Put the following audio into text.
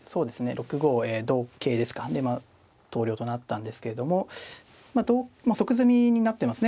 ６五同桂ですかで投了となったんですけれども即詰みになってますね。